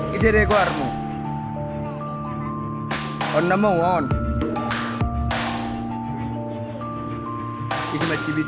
dan iote didekwarumun waldameur jahit